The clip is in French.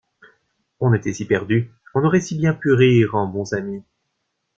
On était si perdu, on aurait si bien pu rire en bons amis!